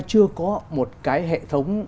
chưa có một cái hệ thống